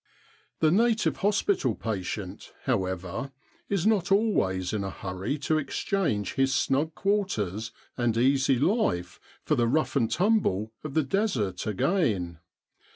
The native hospital patient, however, is not always in a hurry to exchange his snug quarters and easy life for the rough and tumble of the Desert again.